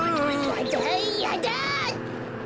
やだやだ！